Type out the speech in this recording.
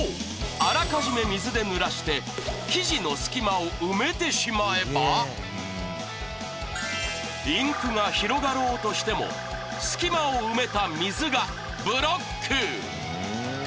あらかじめ水でぬらして生地の隙間を埋めてしまえばインクが広がろうとしても隙間を埋めた水がブロック。